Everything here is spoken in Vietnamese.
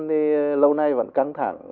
thì lâu nay vẫn căng thẳng